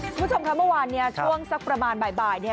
คุณผู้ชมค่ะเมื่อวานเนี่ยช่วงสักประมาณบ่ายเนี่ย